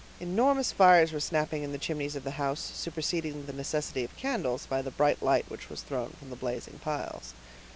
Enormous fires were snapping in the chimneys of the house, superseding the necessity of candles, by the bright light which was thrown from the blazing piles.